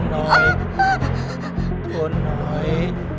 ไม่ได้